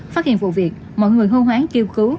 phát hiện vụ việc mọi người hô hoán kêu cứu